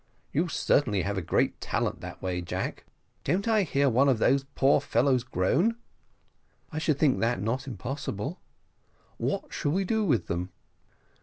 "You certainly have a great talent that way, Jack. Don't I hear one of these poor fellows groan?" "I should think that not impossible." "What shall we do with them?"